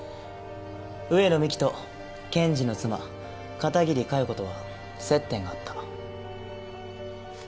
上野美貴と検事の妻片桐佳代子とは接点があった。